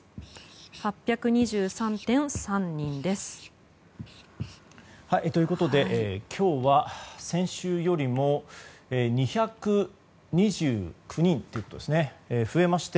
８２３．３人です。ということで今日は先週よりも２２９人増えていますね。